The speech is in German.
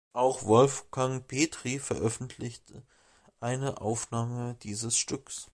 Auch Wolfgang Petry veröffentlichte eine Aufnahme dieses Stücks.